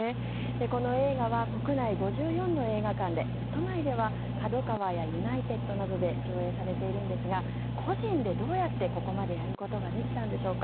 この映画は国内５４の映画館で都内では角川やユナイテッドなどで上映されているんですが個人で、どうやってここまでやることができたんでしょうか。